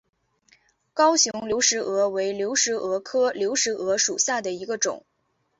高雄流石蛾为流石蛾科流石蛾属下的一个种。